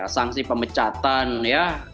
sanksi pemecatan ya